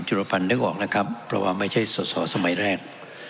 จุดปันเนื้อออกนะครับเพราะว่าไม่ใช่ส่วนสมัยแรก